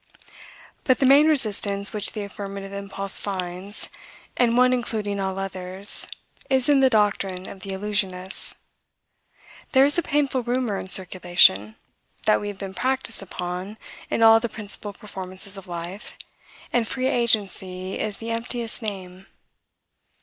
But the main resistance which the affirmative impulse finds, and one including all others, is in the doctrine of the Illusionists. There is a painful rumor in circulation, that we have been practiced upon in all the principal performances of life, and free agency is the emptiest name.